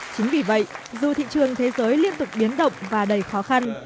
chính vì vậy dù thị trường thế giới liên tục biến động và đầy khó khăn